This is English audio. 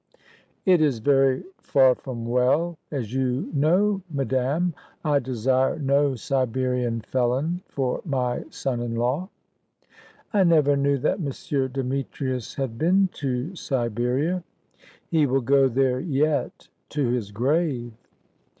"It is very far from well, as you know, madame. I desire no Siberian felon for my son in law." "I never knew that M. Demetrius had been to Siberia." "He will go there yet to his grave."